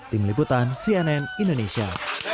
tim liputan cnn indonesia